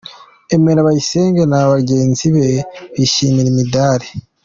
Emery Bayisenge na bagenzi be bishimira imidari.